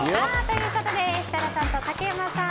設楽さんと竹山さん